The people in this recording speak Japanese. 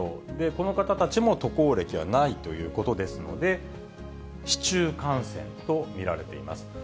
この方たちも渡航歴はないということですので、市中感染と見られています。